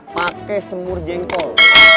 pakai semur jengkol